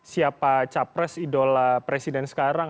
siapa capres idola presiden sekarang